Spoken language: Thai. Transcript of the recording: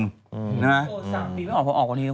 โปรดสามปีจะออกกว่านี้กันไหม